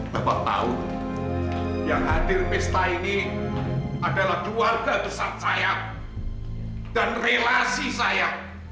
bapak tahu yang hadir pesta ini adalah keluarga besar saya dan relasi saya